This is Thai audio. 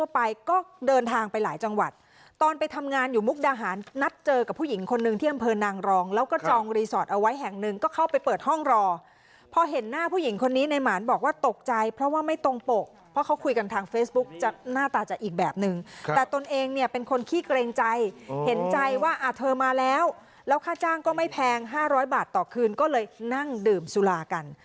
พิกดาหารนัดเจอกับผู้หญิงคนหนึ่งที่อำเภอนางรองแล้วก็จองรีสอร์ตเอาไว้แห่งหนึ่งก็เข้าไปเปิดห้องรอพอเห็นหน้าผู้หญิงคนนี้ในหมานบอกว่าตกใจเพราะว่าไม่ตรงปกเพราะเขาคุยกันทางเฟซบุ๊กจะหน้าตาจะอีกแบบหนึ่งค่ะแต่ตนเองเนี่ยเป็นคนขี้เกรงใจเห็นใจว่าอ่าเธอมาแล้วแล้วค่าจ้างก็ไม่แพงห้าร